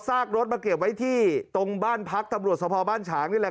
กรถมาเก็บไว้ที่ตรงบ้านพักตำรวจสภบ้านฉางนี่แหละ